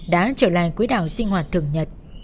đã trở lại quý đạo sinh hoạt thường nhật